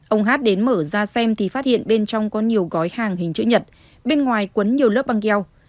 ông hát đến mở ra xem thì phát hiện bên trong có nhiều gói hàng hình chữ nhật bên ngoài quấn nhiều lớp băng keo